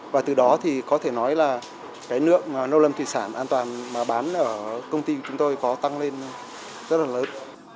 và từ đó thì có thể nói là cái lượng nông lâm thủy sản an toàn mà bán ở công ty chúng tôi có tăng lên rất là lớn